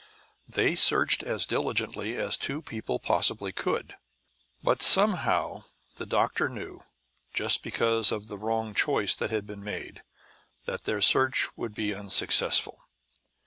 They searched as diligently as two people possibly could; but somehow the doctor knew, just because of the wrong choice that had been made, that their search would be unsuccessful.